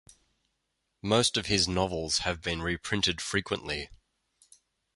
Most of his novels have been reprinted frequently.